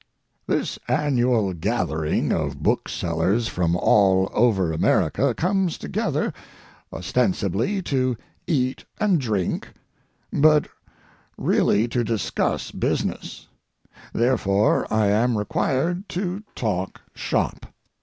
This annual gathering of booksellers from all over America comes together ostensibly to eat and drink, but really to discuss business; therefore I am required to talk shop.